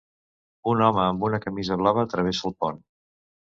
Un home amb una camisa blava travessa el pont